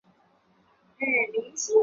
授户部主事。